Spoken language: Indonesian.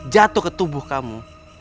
jatuh ke tubuh kamu